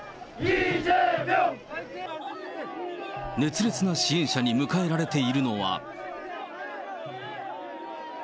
熱烈な支援者に迎えられているのは。